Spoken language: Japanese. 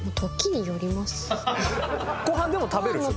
ご飯でも食べるでしょ？